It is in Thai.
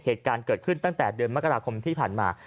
เหตุการณ์เกิดขึ้นตั้งแต่เดือนมกราคมที่ผ่านมา